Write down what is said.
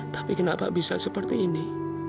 tapi kenapa bisa seperti ini